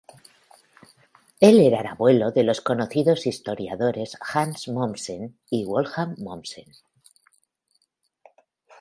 Él era el abuelo de los conocidos historiadores Hans Mommsen y Wolfgang Mommsen.